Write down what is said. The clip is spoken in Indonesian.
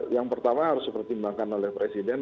yang pertama harus dipertimbangkan oleh presiden